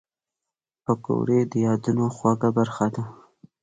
پکورې د یادونو خواږه برخه ده